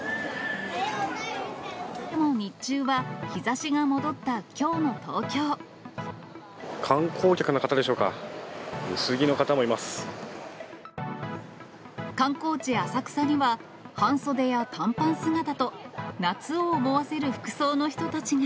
でも日中は日ざしが戻ったきょう観光客の方でしょうか、観光地、浅草には半袖や短パン姿と、夏を思わせる服装の人たちが。